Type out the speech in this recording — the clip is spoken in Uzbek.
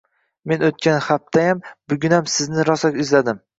Men o‘tgan haptayam, bugunam sizdi rosa izladim